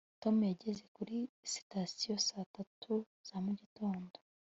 tom yageze kuri sitasiyo saa tatu za mugitondo